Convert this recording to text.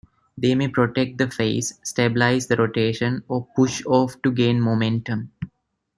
They may protect the face, stabilize the rotation, or push off to gain momentum.